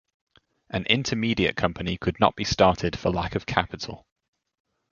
An intermediate company could not be started for lack of capital.